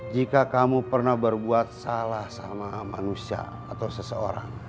jika kamu pernah berbuat salah sama manusia atau seseorang